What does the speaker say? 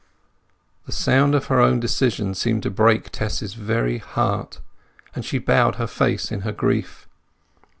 The sound of her own decision seemed to break Tess's very heart, and she bowed her face in her grief.